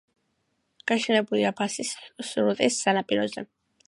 გაშენებულია ბასის სრუტის სანაპიროზე.